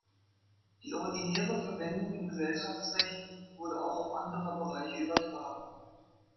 Die originäre Verwendung im Gesellschaftsrecht wurde auch auf andere Bereiche übertragen.